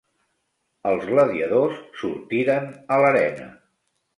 Els gladiadors sortiren a l'arena.